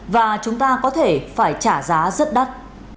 và chúng ta có thể phải trả giá rất đắt